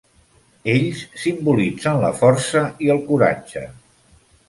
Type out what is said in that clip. Ells simbolitzen la força i el coratge.